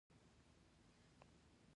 موږ په خپله خاوره باور لرو.